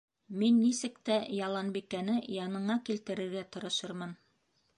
Мин нисек тә Яланбикәне яныңа килтерергә тырышырмын.